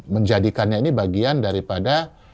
menjadikannya ini bagian daripada